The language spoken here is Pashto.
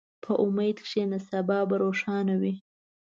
په امید کښېنه، سبا به روښانه وي.